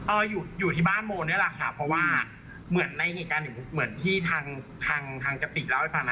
อยู่อยู่ที่บ้านโมนี่แหละค่ะเพราะว่าเหมือนในเหตุการณ์เหมือนที่ทางทางทางกะปิกเล่าให้ฟังนะ